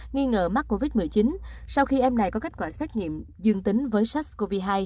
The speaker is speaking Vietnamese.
nghi ngờ mắc covid một mươi chín sau khi em này có kết quả xét nghiệm dương tính với sars cov hai